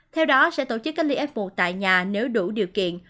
theo đó sẽ tổ chức cách ly f một tại nhà nếu đủ điều kiện